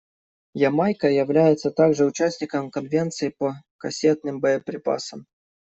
Ямайка является также участником Конвенции по кассетным боеприпасам.